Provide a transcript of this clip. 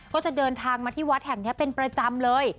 ก็จะเดินทางมาที่วัดแห่งนี้เป็นประจำเลย